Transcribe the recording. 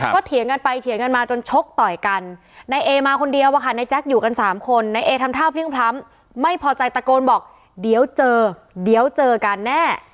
๓คนนายเอทำเท่าเพียงพร้ำไม่พอใจตะโกนบอกเดี๋ยวเจอเดี๋ยวเจอกันแน่